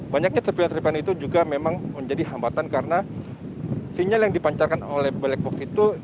banyaknya serpian serpian itu juga memang menjadi hambatan karena sinyal yang dipancarkan oleh black box itu